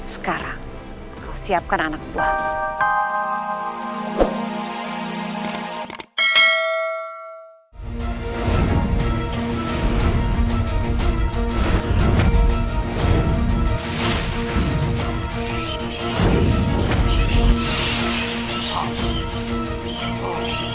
sekarang aku siapkan anak buahku